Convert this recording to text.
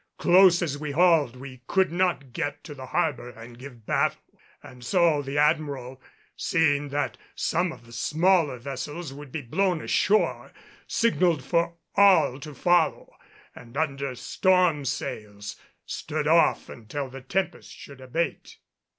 Close as we hauled we could not get to the harbor and give battle; and so the Admiral, seeing that some of the smaller vessels would be blown ashore, signaled for all to follow, and under storm sails stood off until the tempest should abate.